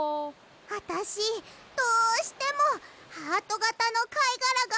あたしどうしてもハートがたのかいがらがほしいんだ。